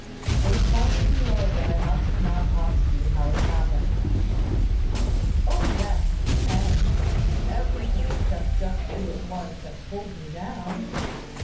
"They tell me below that I must not ask you how it happened." "Oh, yes! You may. Everything except just who it was that pulled me down.